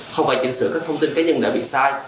không phải chỉnh sửa các thông tin cá nhân đã bị sai